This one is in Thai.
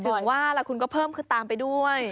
ถึงว่าล่ะคุณก็เพิ่มคือตามไปด้วย